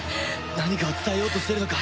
何かを伝えようとしているのか？